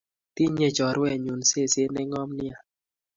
Tinye chorwennyu seset ne ng'om nea